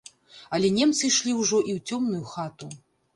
Але немцы ішлі ўжо і ў цёмную хату.